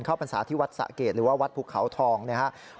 พรรษาที่วัดสะเกดหรือว่าวัดภูเขาทองนะครับ